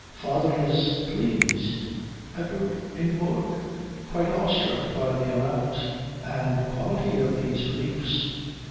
"Father is pleased?" echoed Ingeborg, quite awe struck by the amount and quality of these reliefs.